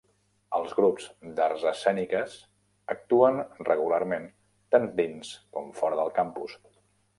Els grups d'arts escèniques actuen regularment tant dins com fora del campus.